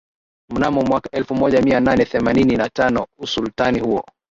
mnamo mwaka elfu moja mia nane themanini na tano Usultani huo